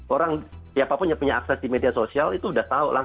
orang siapapun yang punya akses di media sosial jangan lakukan